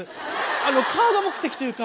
あのカード目的というか。